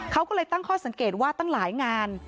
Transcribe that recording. เขาก็เลยตั้งข้อสังเกตว่าตั้งหลายงาน